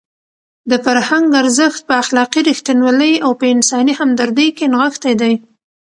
د فرهنګ ارزښت په اخلاقي رښتینولۍ او په انساني همدردۍ کې نغښتی دی.